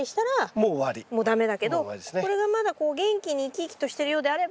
もう駄目だけどこれがまだこう元気に生き生きとしてるようであれば。